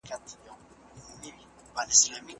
هغه پريکړې چي تېر کال وشوې اوس پلي کيږي.